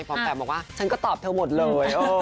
ฟอร์มแปมบอกว่าฉันก็ตอบเธอหมดเลย